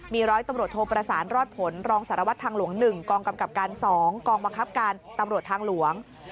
มีร้อยตำรวจโทประสานรอดผลรองสารวัตรทางหลวง๑กองกำกับการ๒กองบังคับการตำรวจทางหลวง